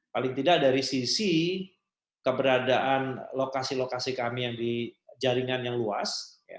paling tidak dari sisi keberadaan lokasi lokasi kami yang di jaringan yang luas